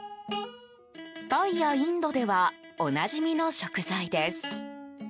タイやインドではおなじみの食材です。